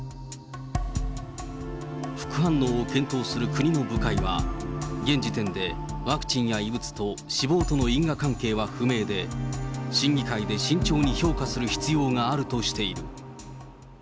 副反応を検討する国の部会は、現時点でワクチンや異物と死亡との因果関係は不明で、審議会で慎重に評価する必要があるとしている。